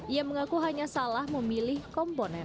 ia mengaku hanya salah ketika mengesian